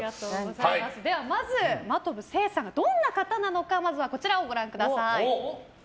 まず、真飛聖さんがどんな方なのかまずはこちらをご覧ください。